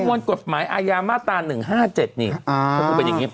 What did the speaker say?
มวลกฎหมายอาญามาตรา๑๕๗นี่เขาพูดเป็นอย่างนี้